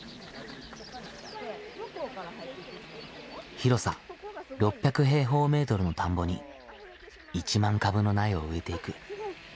広さ６００平方メートルの田んぼに１万株の苗を植えていく。